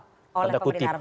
oleh pemerintah arab saudi